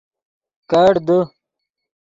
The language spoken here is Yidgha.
کیڑ دے